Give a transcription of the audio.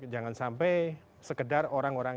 jangan sampai sekedar orang orang